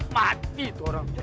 mati itu orang